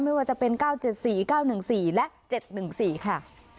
ไม่ว่าจะเป็นเก้าเจ็ดสี่เก้าหนึ่งสี่และเจ็ดหนึ่งสี่ค่ะ